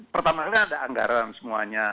pertamanya ada anggaran semuanya